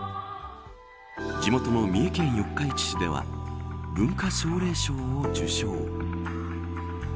地元の三重県四日市市では文化奨励賞を受賞。